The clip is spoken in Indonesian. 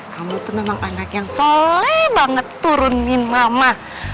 kamu tuh memang anak yang soleh banget turunin mama